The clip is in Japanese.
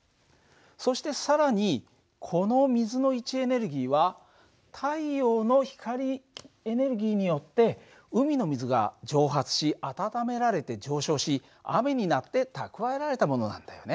そして更にこの水の位置エネルギーは太陽の光エネルギーによって海の水が蒸発しあたためられて上昇し雨になって蓄えられたものなんだよね。